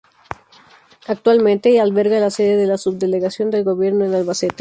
Actualmente alberga la sede de la Subdelegación del Gobierno en Albacete.